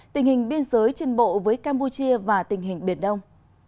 tình hình biên giới trên bộ với campuchia và tình hình biển đông